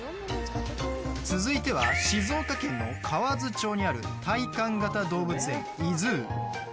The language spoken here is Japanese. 続いては静岡県の河津町にある体感型動物園ｉＺｏｏ。